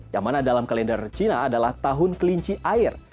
yang mana dalam kalender cina adalah tahun kelinci air